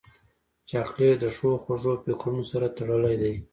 چاکلېټ د ښو خوږو فکرونو سره تړلی دی.